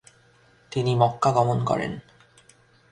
তিনি মক্কা গমন করেন।